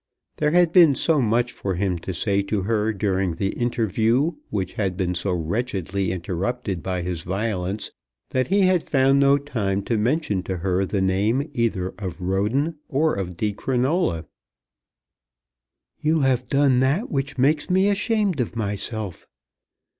There had been so much for him to say to her during the interview which had been so wretchedly interrupted by his violence that he had found no time to mention to her the name either of Roden or of Di Crinola. "You have done that which makes me ashamed of myself."